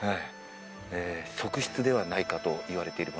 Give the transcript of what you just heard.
えー側室ではないかといわれている。